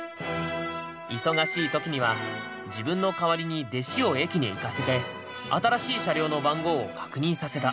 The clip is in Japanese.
忙しい時には自分の代わりに弟子を駅に行かせて新しい車両の番号を確認させた。